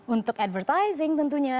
untuk advertising tentunya